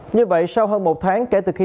như vậy sau hơn một tháng kể từ khi